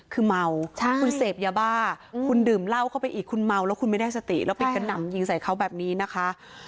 คือเมาคุณเสพยาบ้าคุณดื่มเหล้าเข้าไปอีกคุณเมาแล้วคุณไม่ได้สติแล้วไปกระหน่ำยิงใส่เขาแบบนี้นะคะ